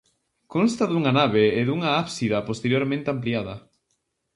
Consta dunha nave e dunha ábsida posteriormente ampliada.